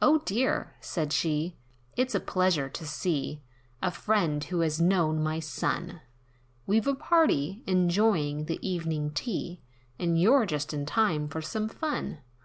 "O dear!" said she, "It's a pleasure to see A friend, who has known my son, We've a party, enjoying the evening tea, And you're just in time for fun."